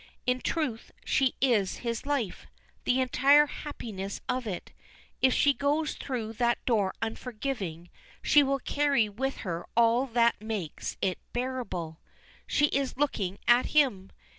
In truth she is his life, the entire happiness of it if she goes through that door unforgiving, she will carry with her all that makes it bearable. She is looking at him.